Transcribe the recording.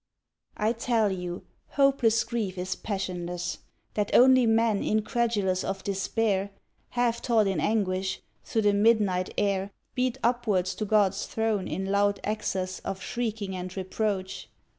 I tell you, hopeless grief is passionless, That only men incredulous of despair, Half taught in anguish, through the midnight air Beat upwards to God's throne in loud access Of shrieking and reproach.